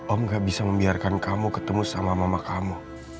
om gak bisa membiarkan kamu ketemu sama mama kamu